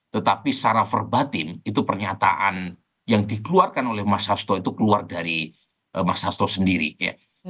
tetapi secara verbatim itu pernyataan yang dikeluarkan oleh mas hasto itu keluar dari mas hasto sendiri ya